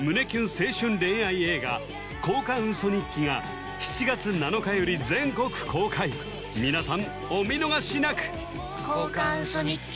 青春恋愛映画「交換ウソ日記」が７月７日より全国公開皆さんお見逃しなく「交換ウソ日記」